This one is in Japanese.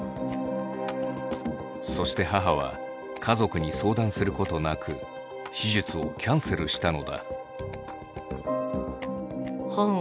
そして母は家族に相談することなく手術をキャンセルしたのだ。